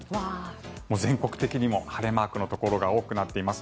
全国的にも晴れマークのところが多くなっています。